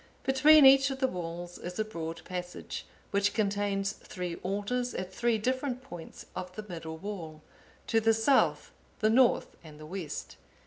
Between each of the walls is a broad passage, which contains three altars at three different points of the middle wall; to the south, the north, and the west.